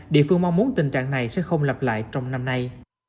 địa phương mong muốn tình trạng này sẽ không lặp lại trong năm nay